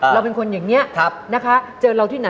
ต่อผลงานเราตลอด